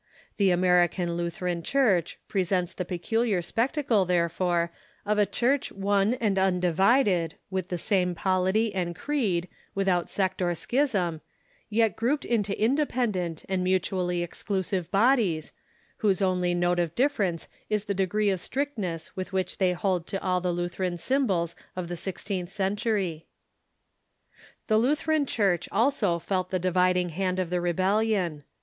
The American Lutheran Church presents the peculiar spectacle, therefore, of a Church one and undi vided, with the same polity and creed, without sect or schism, yet grouped into independent and mutually exclusive bodies, whose only note of difference is the degree of strictness with which they hold to all the Lutheran symbols of the sixteenth century. The Lutheran Church also felt the dividing hand of the Rebellion.